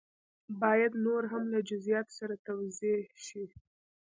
باید نور هم له جزیاتو سره توضیح شي.